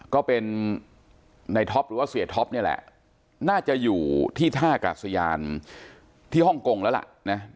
ก็เป็นในท็อปหรือว่าเสียท็อปนี่แหละน่าจะอยู่ที่ท่ากาศยานที่ฮ่องกงแล้วล่ะนะ